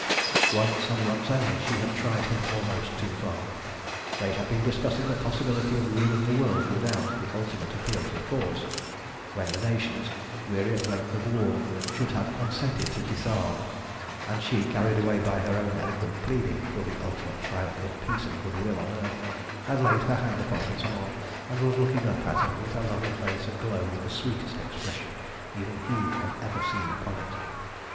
Once, and once only, she had tried him almost too far. They had been discussing the possibility of ruling the world without the ultimate appeal to force, when the nations, weary at length of war, should have consented to disarm, and she, carried away by her own eloquent pleading for the ultimate triumph of peace and goodwill on earth, had laid her hand upon his arm, and was looking up at him with her lovely face aglow with the sweetest expression even he had ever seen upon it.